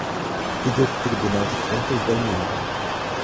e do Tribunal de Contas da União;